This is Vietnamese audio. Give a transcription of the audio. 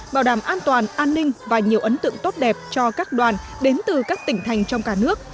bảo đảm an toàn an ninh và nhiều ấn tượng tốt đẹp cho các đoàn đến từ các tỉnh thành trong cả nước